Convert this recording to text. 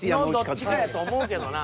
どっちかやと思うけどな。